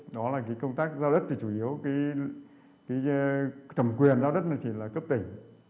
đó là cái công tác giao đất thì chủ yếu cái thẩm quyền giao đất này thì là cấp tỉnh